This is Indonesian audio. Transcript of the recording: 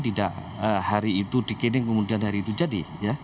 tidak hari itu dikining kemudian hari itu jadi